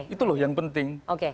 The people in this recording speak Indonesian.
itu loh yang penting